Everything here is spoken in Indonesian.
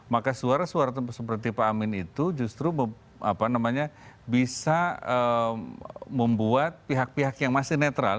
maka suara suara seperti pak amin itu justru bisa membuat pihak pihak yang masih netral